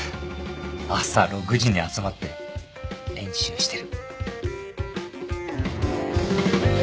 朝６時に集まって練習してる。